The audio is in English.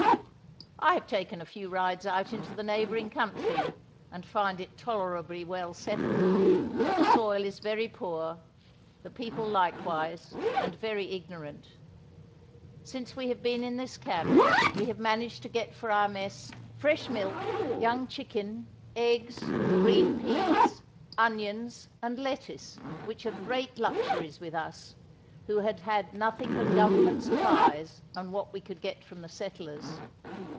"I have taken a few rides out into the neighboring country, and find it tolerably well settled, but the soil is very poor, the people likewise and very ignorant. Since we have been in this camp we have managed to get for our mess fresh milk, young chicken, eggs, green peas, onions, and lettuce, which are great luxuries with us, who had had nothing but Government supplies and what we could get from the settlers.